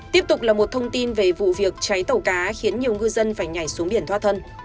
tiếp tục là một thông tin về vụ việc cháy tàu cá khiến nhiều ngư dân phải nhảy xuống biển thoát thân